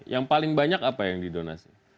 yang paling banyak apa yang didonasi